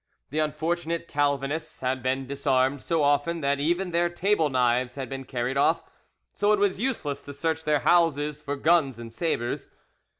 The unfortunate Calvinists had been disarmed so often that even their table knives had been carried off, so it was useless to search their houses for guns and sabres.